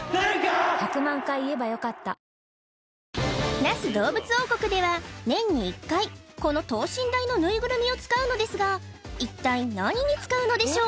那須どうぶつ王国では年に１回この等身大のぬいぐるみを使うのですが一体何に使うのでしょう？